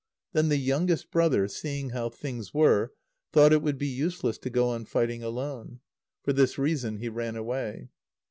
Then the youngest brother, seeing how things were, thought it would be useless to go on fighting alone. For this reason he ran away.